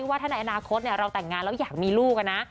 ว่าถ้าในอนาคตเราแต่งงานแล้วอยากมีลูกนะ